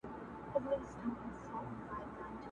o دپاچا نزدېکت اور دئ!